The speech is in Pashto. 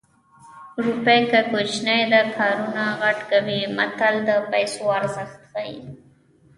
روپۍ که کوچنۍ ده کارونه غټ کوي متل د پیسو ارزښت ښيي